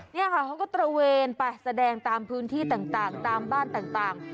นี่ค่ะเขาก็ตระเวนไปแสดงตามพื้นที่ต่างตามบ้านต่าง